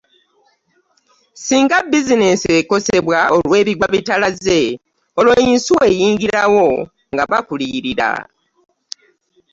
Singa bizineesi ekosebwa olw'ebigwa tebiraze olwo yinsuwa eyingirawo nga bakuliyirira